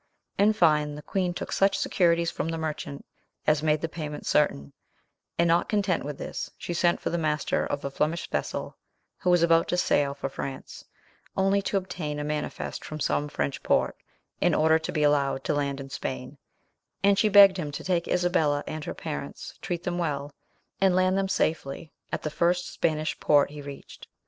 In fine, the queen took such securities from the merchant as made the payment certain; and not content with this, she sent for the master of a Flemish vessel who was about to sail for France, only to obtain a manifest from some French port, in order to be allowed to land in Spain; and she begged him to take Isabella and her parents, treat them well, and land them safely at the first Spanish port he reached.